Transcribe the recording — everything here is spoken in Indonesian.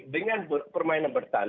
dengan permainan bertahan